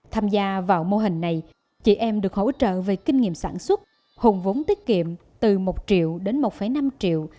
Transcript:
tham gia vào mô hình này chị em được hỗ trợ về kinh nghiệm sản xuất hùng vốn tiết kiệm từ một triệu đến một năm triệu